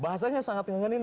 bahasanya sangat mengengin